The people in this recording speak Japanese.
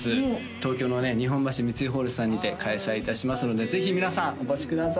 東京のね日本橋三井ホールさんにて開催いたしますのでぜひ皆さんお越しください